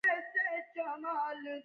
احمد له ډېرې مجردۍ ورسته خپل کور ودان کړ.